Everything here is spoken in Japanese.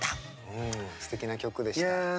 いやすてきな曲でした。